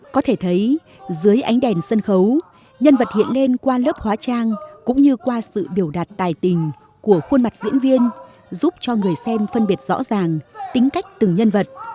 có thể thấy dưới ánh đèn sân khấu nhân vật hiện lên qua lớp hóa trang cũng như qua sự biểu đạt tài tình của khuôn mặt diễn viên giúp cho người xem phân biệt rõ ràng tính cách từng nhân vật